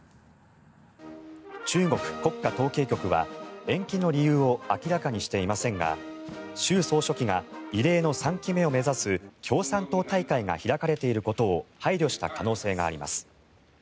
中国国家統計局は延期の理由を明らかにしていませんが習総書記が異例の３期目を目指す共産党大会が開かれていることを配慮した可能性があります。